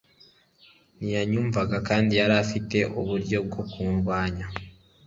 ntiyanyumvaga, kandi yari afite uburyo bwo kundwanya